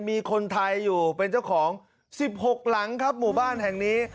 มีคนไทยอยู่เป็นเจ้าของ๑๖หลังครับหมู่บ้านแห่งนี้